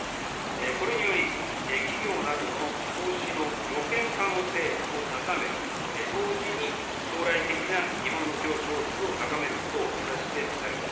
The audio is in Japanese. これにより、企業などの投資の予見可能性を高め、同時に将来的な日本の競争力を高めることを目指してまいります。